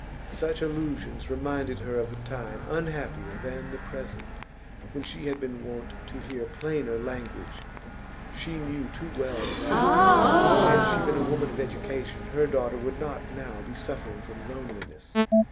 Such allusions reminded her of a time unhappier than the present, when she had been wont to hear plainer language. She knew too well that, had she been a woman of education, her daughter would not now be suffering from loneliness.